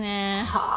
はあ。